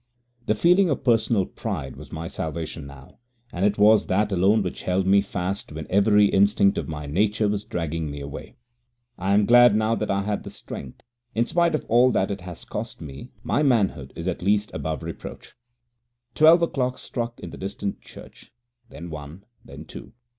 This feeling of personal pride was my salvation now, and it was that alone which held me fast when every instinct of my nature was dragging me away. I am glad now that I had the strength. In spite of all that is has cost me, my manhood is at least above reproach. < 14 > Twelve o'clock struck in the distant church, then one, then two.